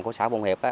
của xã phung hiệp